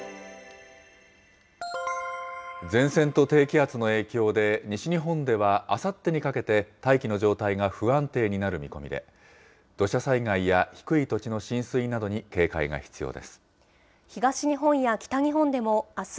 前線と低気圧の影響で、西日本ではあさってにかけて大気の状態が不安定になる見込みで、土砂災害や低い土地の浸水などに警戒が必要です。